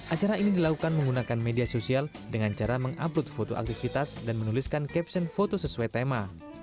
acara ini dilakukan menggunakan media sosial dengan cara mengupload foto aktivitas dan menuliskan caption foto sesuai tema